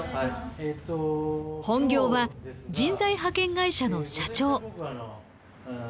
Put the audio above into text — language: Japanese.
本業は人材派遣会社の社長。